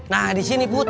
nah di sini put